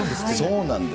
そうなんです。